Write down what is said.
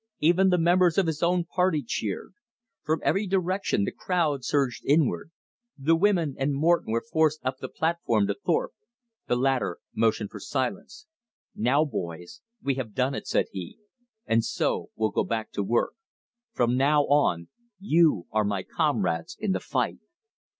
Even the members of his own party cheered. From every direction the crowd surged inward. The women and Morton were forced up the platform to Thorpe. The latter motioned for silence. "Now, boys, we have done it," said he, "and so will go back to work. From now on you are my comrades in the fight."